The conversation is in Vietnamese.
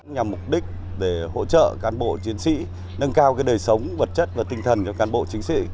nhằm mục đích để hỗ trợ cán bộ chiến sĩ nâng cao đời sống vật chất và tinh thần cho cán bộ chiến sĩ